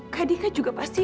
kak dika juga pasti